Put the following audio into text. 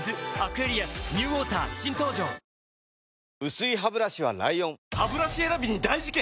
薄いハブラシは ＬＩＯＮハブラシ選びに大事件！